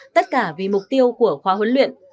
tất cả vì mục tiêu của khóa huấn luyện